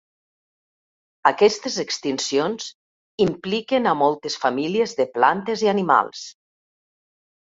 Aquestes extincions impliquen a moltes famílies de plantes i animals.